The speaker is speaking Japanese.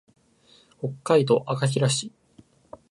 北海道赤平市